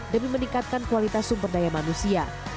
demi meningkatkan kualitas sumber daya manusia